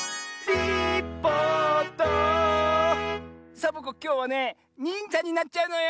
サボ子きょうはね「にんじゃ」になっちゃうのよ！